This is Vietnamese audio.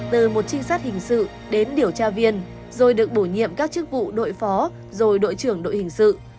từ một trinh sát hình sự đến điều tra viên rồi được bổ nhiệm các chức vụ đội phó rồi đội trưởng đội hình sự